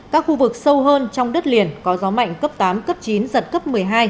các khu vực sâu hơn trong đất liền có gió mạnh cấp tám cấp chín giật cấp một mươi hai